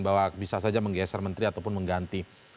bahwa bisa saja menggeser menteri ataupun mengganti